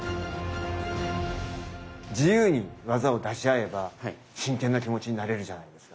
自由に技を出し合えば真剣な気持ちになれるじゃないですか。